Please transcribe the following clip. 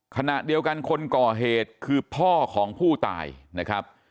ขณะเดียวกันคนก่อเหตุคือพ่อของผู้ตายนะครับ